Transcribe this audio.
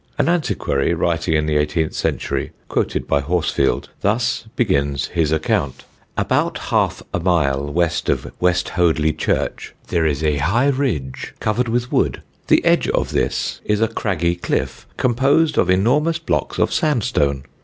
An antiquary writing in the eighteenth century (quoted by Horsfield) thus begins his account: "About half a mile west of West Hoadley church there is a high ridge covered with wood; the edge of this is a craggy cliff, composed of enormous blocks of sand stone.